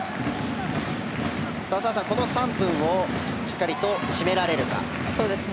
澤さん、この３分をしっかりと締められるか。